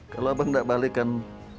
kalau abang tidak balik kan